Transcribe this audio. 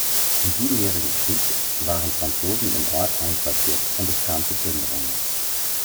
Im Siebenjährigen Krieg waren Franzosen im Ort einquartiert und es kam zu Plünderungen.